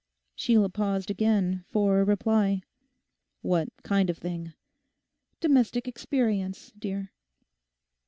Sheila paused again for a reply. 'What kind of thing?' 'Domestic experience, dear.